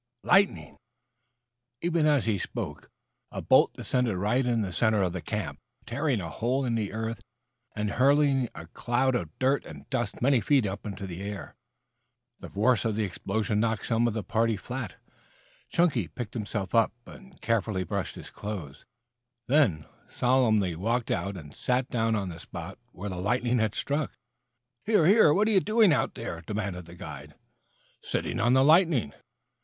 "Lightning." Even as he spoke a bolt descended right in the center of the camp, tearing a hole in the earth and hurling a cloud of dirt and dust many feet up into the air. The force of the explosion knocked some of the party flat. Chunky picked himself up and carefully brushed his clothes; then, solemnly walked out and sat down on the spot where the lightning had struck. "Here, here! What are you doing out there?" demanded the guide. "Sitting on the lightning."